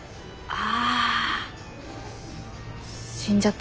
あ。